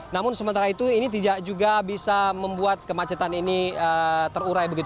namun sementara itu ini tidak juga bisa membuat kemacetan ini terurai